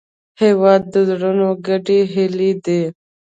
هېواد د زړونو ګډې هیلې دي.